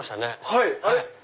はい。